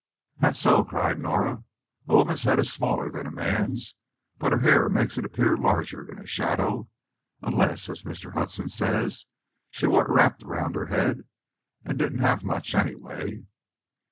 "That's so," cried Norah. "A woman's head is smaller than a man's, but her hair makes it appear larger in a shadow. Unless, as Mr. Hudson says, she wore it wrapped round her head, and didn't have much, anyway."